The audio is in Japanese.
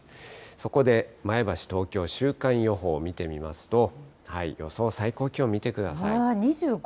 そこで前橋、東京、週間予報を見てみますと、予想最高気温見てください。